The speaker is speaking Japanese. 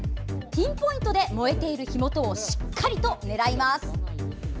ピンポイントで、燃えている火元をしっかりと狙います。